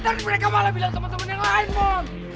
ntar mereka malah bilang temen temen yang lain mon